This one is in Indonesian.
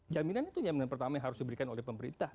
jaminan itu jaminan pertama yang harus diberikan oleh pemerintah